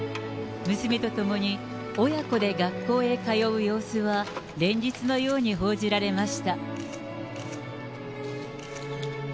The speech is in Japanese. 娘と共に親子で学校へ通う様子は連日のように報じられました。